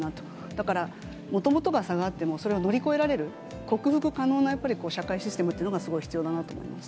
だから、もともとが差があっても、それを乗り越えられる、克服可能な社会システムっていうのがすごい必要だなと思います。